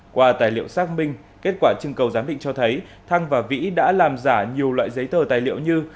qua tài liệu xác minh kết quả trưng cầu giám định cho thấy thăng và vĩ đã làm giả nhiều loại giấy tờ tài liệu như